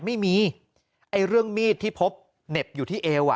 ไม่มีไอ้เรื่องมีดที่พบเหน็บอยู่ที่เอวอ่ะ